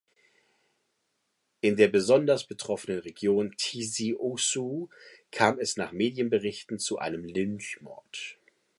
In der besonders betroffenen Region Tizi Ouzou kam es nach Medienberichten zu einem Lynchmord.